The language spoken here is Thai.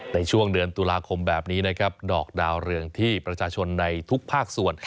ในช่วงเดือนตุลาคมแบบนี้นะครับดอกดาวเรืองที่ประชาชนในทุกภาคส่วน